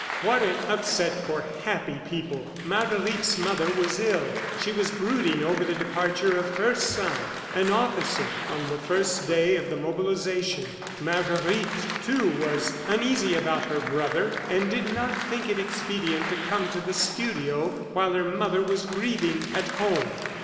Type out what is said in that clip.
What an upset for happy people! Marguerite's mother was ill. She was brooding over the departure of her son, an officer, on the first day of the mobilization. Marguerite, too, was uneasy about her brother and did not think it expedient to come to the studio while her mother was grieving at home.